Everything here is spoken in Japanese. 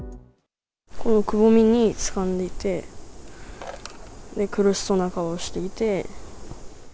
このくぼみにつかんでいて、苦しそうな顔をしていて。